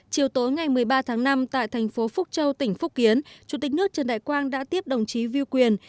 chiều tối ngày một mươi ba tháng năm tại thành phố phúc châu tỉnh phúc kiến chủ tịch nước trần đại quang đã tiếp đồng chí view quyền